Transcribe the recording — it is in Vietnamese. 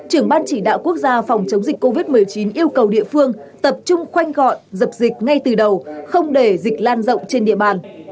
ra phòng chống dịch covid một mươi chín yêu cầu địa phương tập trung khoanh gọn dập dịch ngay từ đầu không để dịch lan rộng trên địa bàn